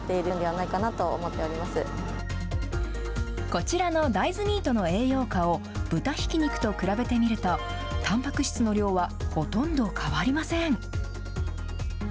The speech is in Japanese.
こちらの大豆ミートの栄養価を豚ひき肉と比べてみると、たんぱく質の量はほとんど変わりません。